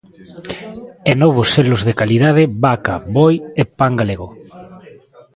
E novos selos de calidade: vaca, boi e pan galego.